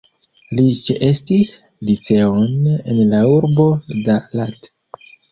Li ĉeestis liceon en la urbo Da Lat.